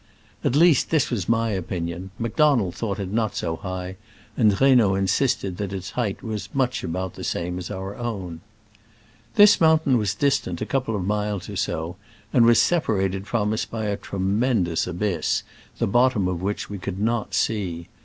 At least this was my opinion : Macdonald thought it not so high, and Reynaud insisted that its height was much about the same as our own. This mountain was distant a couple of miles or so, and was separated from us by a tremendous abyss, the bottom of which we could not see.